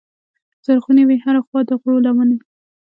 زرغونې وې هره خوا د غرو لمنې